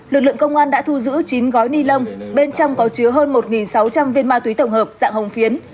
lực lượng công an đã thu giữ chín gói ni lông bên trong có chứa hơn một sáu trăm linh viên ma túy tổng hợp dạng hồng phiến